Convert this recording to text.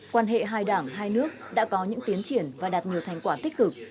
quan hệ hai đảng hai nước đã có những tiến triển và đạt nhiều thành quả tích cực